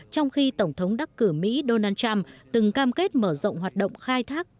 trong khi tổng thống đắc cử mỹ donald trump từng cam kết mở rộng hoạt động khai thác